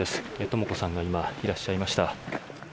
とも子さんが今いらっしゃいました。